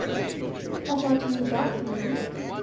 "I thought you'd got money."